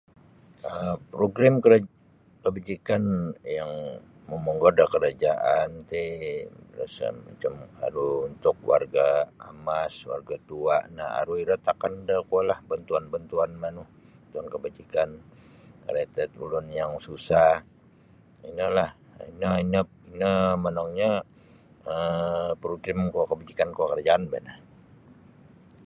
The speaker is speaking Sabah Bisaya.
um Program kra-kabajikan yang momonggor da karajaan ti [unintelligible] macam aru untuk warga amas warga tua no aru iro tokon da bantuan -bantuan manu bantuan kabajikan kalau tad ulun yang susah inolah ino ino monongnyo um program kuo kabajikan kuo karajaan bah no.